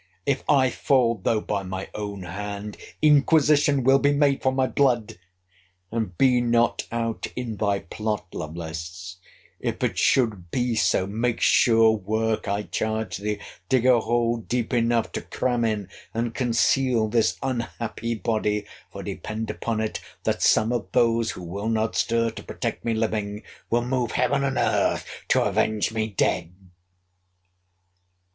If I fall, though by my own hand, inquisition will be made for my blood; and be not out in thy plot, Lovelace, if it should be so—make sure work, I charge thee—dig a hole deep enough to cram in and conceal this unhappy body; for, depend upon it, that some of those who will not stir to protect me living, will move heaven and earth to avenge me dead!